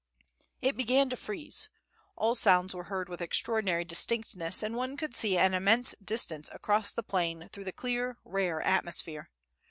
It began to freeze; all sounds were heard with extraordinary distinctness, and one could see an immense distance across the plain through the clear, rare atmosphere.